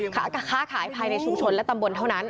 ค่าขาในชุมชนและตำบลเดียวนั้น